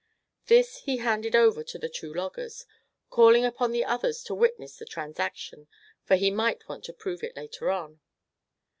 This he handed over to the two loggers, calling upon the others to witness the transaction, for he might want to prove it later on.